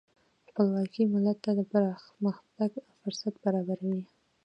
خپلواکي ملت ته د پرمختګ فرصت برابروي.